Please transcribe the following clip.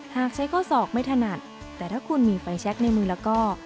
หากใช้ข้อศอกไม่ถนัดแต่ถ้าคุณมีไฟแช็คในมือแล้วก็